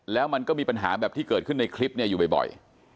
แล้วมันก็มีปัญหาแบบที่เกิดขึ้นในคลิปอยู่บ่อย